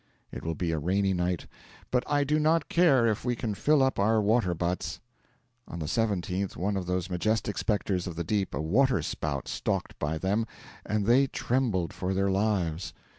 It will be a rainy night, 'but I do not care if we can fill up our water butts.' On the 17th one of those majestic spectres of the deep, a water spout, stalked by them, and they trembled for their lives.